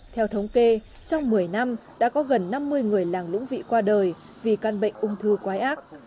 theo thống kê trong một mươi năm đã có gần năm mươi người làng lũng vị qua đời vì căn bệnh ung thư quái ác